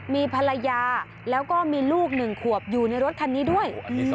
มีภรรยาแล้วก็มีลูก๑ขวบอยู่ในรถคันนี้ด้วย